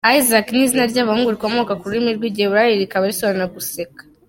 Isaac ni izina ry’abahungu rikomoka ku rurimi rw’Igiheburayi rikaba risobanura “Guseka”.